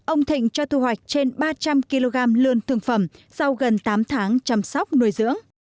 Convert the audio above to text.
ông thịnh cho thu hoạch trên ba trăm linh kg lươn thương phẩm sau gần tám tháng chăm sóc nuôi dưỡng